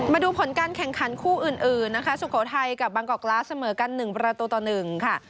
มาดูผลการแข่งขันคู่อื่นนะคะสุโขทัยกับบางกอกกลาสเสมอกัน๑ประตูต่อ๑ค่ะ